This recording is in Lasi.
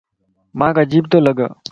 مانک عجيب تو لڳا